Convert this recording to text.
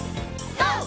ＧＯ！